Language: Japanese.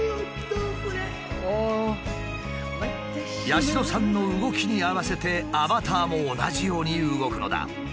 八代さんの動きに合わせてアバターも同じように動くのだ。